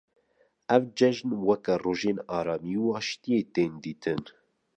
Ev ceijn weke rojên aramî û aşîtiyê tên dîtin.